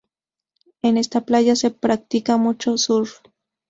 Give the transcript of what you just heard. En esta playa se practica mucho surf.